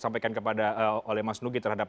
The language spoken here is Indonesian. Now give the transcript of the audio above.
sampaikan kepada mas nugi terhadap